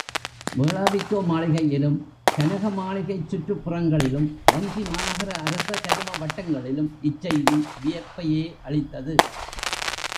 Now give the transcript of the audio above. வேளாவிக்கோ மாளிகையிலும், கனகமாளிகைச் சுற்றுப் புறங்களிலும் வஞ்சிமாநகர அரச கரும வட்டங்களிலும் இச் செய்தி வியப்பையே அளித்தது.